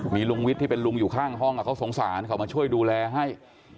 มีลุงวิทย์ที่เป็นลุงอยู่ข้างห้องเขาสงสารเขามาช่วยดูแลให้